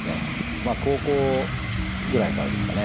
まあ高校ぐらいからですかね